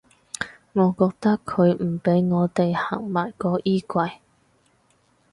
我覺得佢唔畀我地行埋個衣櫃